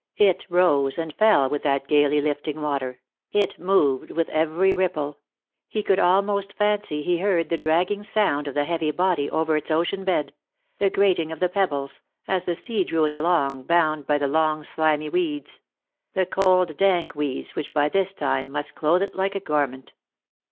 It rose and fell with that gaily lifting water — it moved with every ripple — he could almost fancy he heard the dragging sound of the heavy body over its ocean bed — the grating of the pebbles — as the sea drew it along, bound by the long slimy weeds ; the cold dank weeds which by this time must clothe it like a garment.